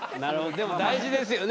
でも大事ですよね。